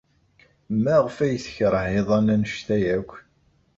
Maɣef ay tekṛeh iḍan anect-a akk?